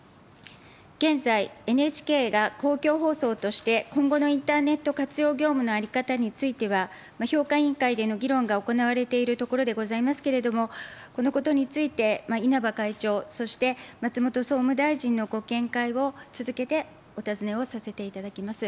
現在、ＮＨＫが公共放送として今後のインターネット活用業務の在り方については、評価委員会での議論が行われているところでございますけれども、このことについて、稲葉会長、そして松本総務大臣のご見解を続けてお尋ねをさせていただきます。